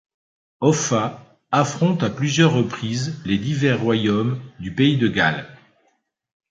Offa affronte à plusieurs reprises les divers royaumes du pays de Galles.